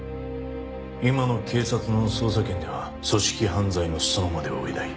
今の警察の捜査権では組織犯罪の裾野までは追えない。